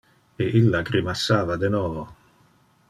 E illa grimassava de novo.